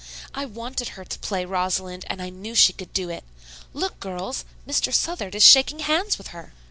"I wanted her to play Rosalind, and I knew she could do it. Look, girls! Mr. Southard is shaking hands with her."